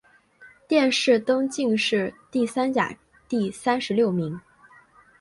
殿试登进士第三甲第三十六名。